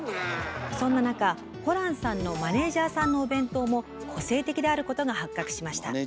そんな中ホランさんのマネージャーさんのお弁当も個性的であることが発覚しました。